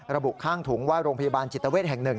ระบุข้างถุงว่าโรงพยาบาลจิตเวทแห่ง๑